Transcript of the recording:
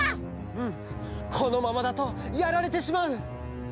うんこのままだとやられてしまう。